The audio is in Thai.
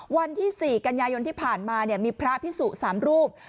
วันที่๔กันยายนที่ผ่านมามีพระพิสุ๓รูป